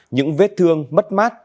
những vết thương mất mát